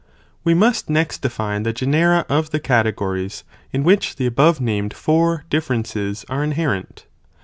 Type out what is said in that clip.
WE must next define the genera of the Cate gories, in which the above named four (differ ences*) are inherent.